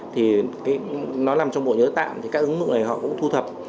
thì nó nằm trong bộ nhớ tạm thì các ứng dụng này họ cũng thu thập